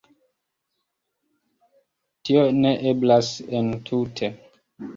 Tio ne eblas entute.